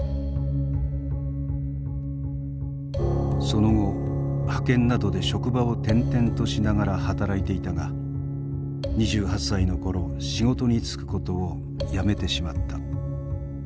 その後派遣などで職場を転々としながら働いていたが２８歳の頃仕事に就くことをやめてしまった。